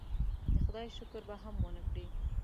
د خدای شکر به هم ونه کړي.